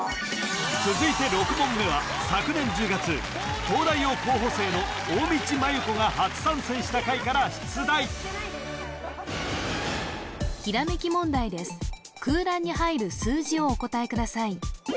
続いて６問目は昨年１０月東大王候補生の大道麻優子が初参戦した回から出題ひらめき問題です空欄に入る数字をお答えください